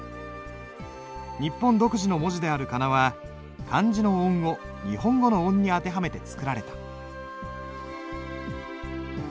日本独自の文字である仮名は漢字の音を日本語の音に当てはめて作られた。